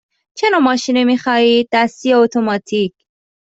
چه نوع ماشینی می خواهید – دستی یا اتوماتیک؟